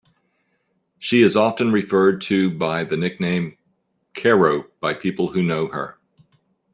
She is often referred to by the nickname 'Carro' by people who know her.